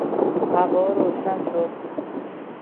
هوا روشن شد.